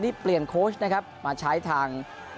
นี่เปลี่ยนโค้ชนะครับมาใช้ทาง